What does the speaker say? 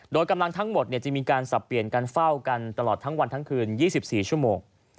โดยกำลังทั้งหมดจะมีการสับเปลี่ยนการเฝ้ากันตลอดทั้งวันทั้งคืน๒๔ชั่วโมง